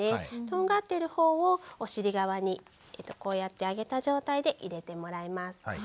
とんがっている方をお尻側にこうやって上げた状態で入れてもらいます。